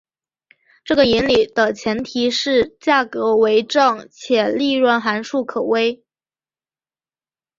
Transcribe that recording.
这个引理的前提是价格为正且利润函数可微。